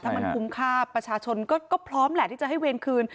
ถ้ามันคุ้มค่าประชาชนก็พร้อมแหละที่จะให้เวรคืน